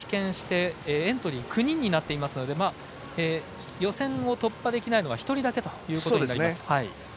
１人棄権してエントリーが９人になっていますので予選を突破できないのは１人だけということになります。